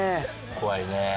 怖いね。